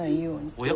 おや？